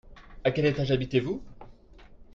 À quel étage habitez-vous ?